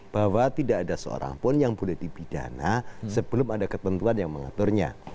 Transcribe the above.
bahwa tidak ada seorang pun yang boleh dipidana sebelum ada ketentuan yang mengaturnya